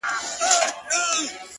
• پر سجدوی وي زیارتو کي د پیرانو,